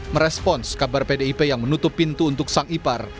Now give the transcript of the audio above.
merespons kabar pdip yang menutup pintu untuk sang ipar